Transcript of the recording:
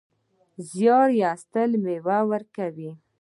زیار ایستل مېوه ورکوي